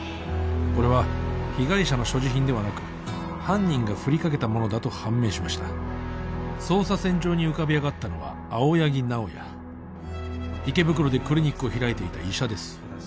これは被害者の所持品ではなく犯人がふりかけたものだと判明しました捜査線上に浮かび上がったのは青柳直哉池袋でクリニックを開いていた医者です